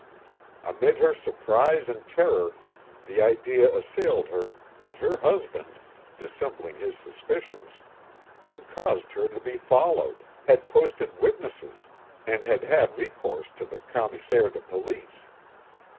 Amid her surprise and terror the idea assailed her that her husband, dissembling his suspicions, had caused her to be followed, had posted witnesses, and had had recourse to the Commissaire de Police.